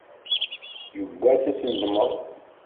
Yiwwas ad tendemmeḍ.